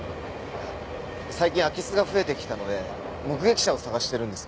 最近空き巣が増えてきたので目撃者を捜してるんです。